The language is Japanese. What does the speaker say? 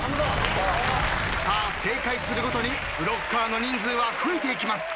さあ正解するごとにブロッカーの人数は増えていきます。